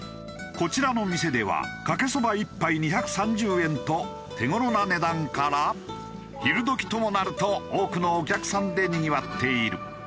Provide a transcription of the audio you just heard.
こちらの店ではかけそば１杯２３０円と手頃な値段から昼時ともなると多くのお客さんでにぎわっている。